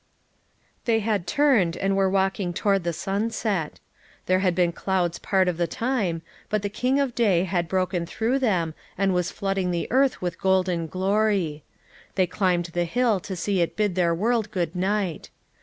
They had turned, and were walking toward the sunset. There had been clouds part of the time, but the king of day had broken through them and was flooding the earth with golden glory. They climbed the hill to see it bid their world good night.